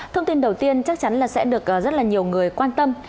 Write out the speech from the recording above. thông tin đầu tiên chắc chắn là sẽ được rất là nhiều người quan tâm